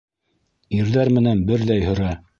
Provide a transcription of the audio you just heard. Ирҙәр менән берҙәй һөрә.